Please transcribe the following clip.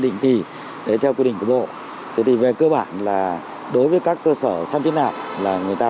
định kỳ theo quy định của bộ thế thì về cơ bản là đối với các cơ sở săn trí nạp là người ta